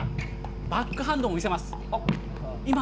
バックハンドも見せます。